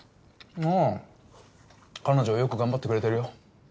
ああ彼女よく頑張ってくれてるよ。